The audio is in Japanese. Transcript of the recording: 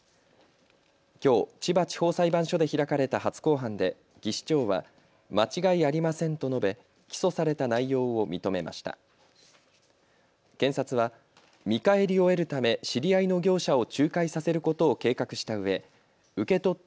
きょう千葉地方裁判所で開かれた初公判で技士長は間違いありませんと述べ起訴された内容を認めました。